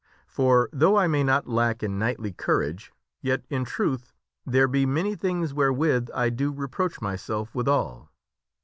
For, though I may not lack in knightly courage, yet, in truth, there be many things wherewith I do reproach myself withal.